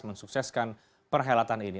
mensukseskan perhelatan ini